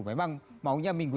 memang maunya minggu